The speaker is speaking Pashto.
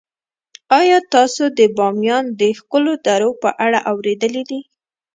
آیا تاسو د بامیان د ښکلو درو په اړه اوریدلي دي؟